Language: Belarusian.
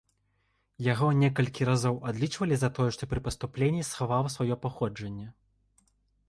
Яго некалькі разоў адлічвалі за тое, што пры паступленні схаваў сваё паходжанне.